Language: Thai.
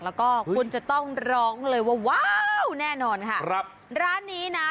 แล้วก็คุณจะต้องร้องเลยว่าว้าวแน่นอนค่ะครับร้านนี้นะ